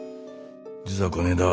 実はこねえだ